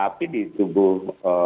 api di tubuh